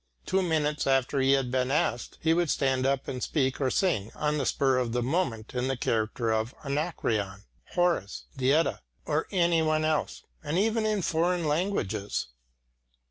Two minutes after he had been asked, he would stand up and speak or sing on the spur of the moment in the character of Anacreon, Horace, the Edda, or any one else, and even in foreign languages.